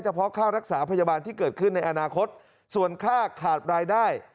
เพาะค่ารักษาพยาบาลที่เกิดขึ้นในอนาคตส่วนค่าขาดรายได้